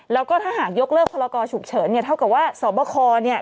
แล้วก็ถ้าหากยกเลิกพรกรฉุกเฉินเนี่ยเท่ากับว่าสบคเนี่ย